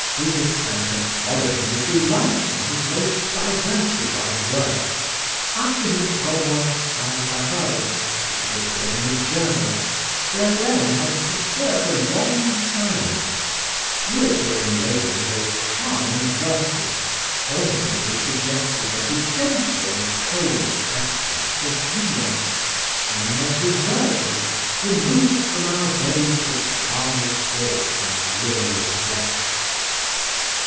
Des Esseintes had followed him with delight in his most diversified works. After his Romances sans paroles which had appeared in a journal, Verlaine had preserved a long silence, reappearing later in those charming verses, hauntingly suggestive of the gentle and cold accents of Villon, singing of the Virgin, "removed from our days of carnal thought and weary flesh."